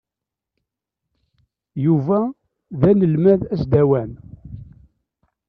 Ur cɣileɣ ara imir-a.